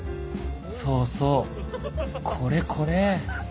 そうそうこれこれ